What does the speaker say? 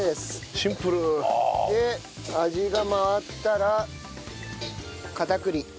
シンプル！で味が回ったら片栗。